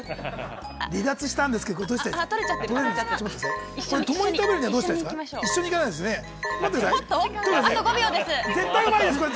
離脱したんですけれども、これどうしたらいいんですか。